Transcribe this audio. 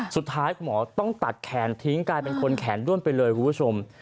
สุดท้ายคุณหมอต้องตัดแขนทิ้งกลายเป็นคนแขนด้วนไปเลยคุณผู้ชม